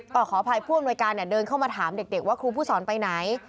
ก็ขออภัยผู้อำนวยการเดินเข้ามาถามเด็กว่าครูผู้สอนไปไหน